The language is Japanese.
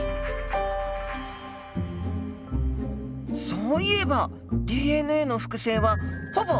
そういえばＤＮＡの複製はほぼ１００％